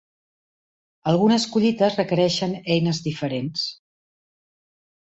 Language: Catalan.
Algunes collites requereixen eines diferents.